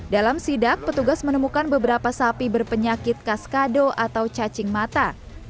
dalam sidak petugas menemukan beberapa sapi berpenyakit kaskado atau cacing mata